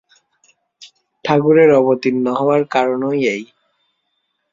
ঠাকুরের অবতীর্ণ হওয়ার কারণই এই।